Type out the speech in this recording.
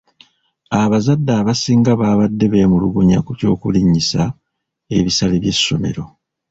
Abazadde abasinga b'abadde bemulugunya ku ky'okulinyisa ebisale by'essomero.